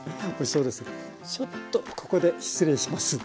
ちょっとここで失礼します。